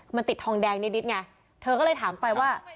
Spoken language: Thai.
มันติดทองแดงนิดไงเธอก็เลยถามไปว่า